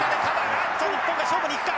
あっと日本が勝負にいくか。